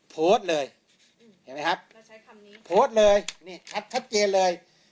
โพสต์เลยเห็นไหมครับโพสต์เลยคัดคัดเจเลย